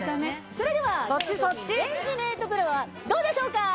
それではレンジメートプロはどうでしょうか？